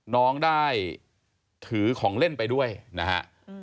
น้องได้ถือของเล่นไปด้วยนะฮะ